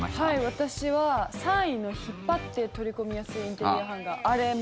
私は、３位の引っ張って取り込みやすいインテリアハンガー。